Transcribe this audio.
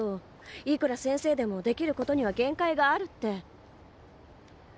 いくら先生でもできることには限界があるって。